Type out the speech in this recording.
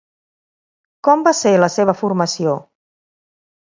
Com va ser la seva formació?